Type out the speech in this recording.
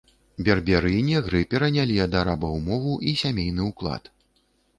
Берберы і негры перанялі ад арабаў мову і сямейны ўклад.